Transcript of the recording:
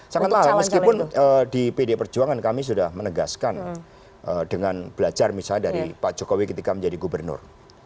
sangat meskipun di pd perjuangan kami sudah menegaskan dengan belajar misalnya dari pak jokowi ketika menjadi gubernur